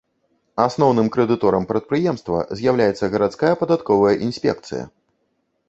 Асноўным крэдыторам прадпрыемства з'яўляецца гарадская падатковая інспекцыя.